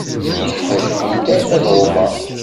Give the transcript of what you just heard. Ad ddunt arma d Roma.